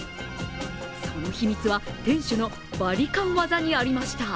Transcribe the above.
その秘密は、店主のバリカン技にありました。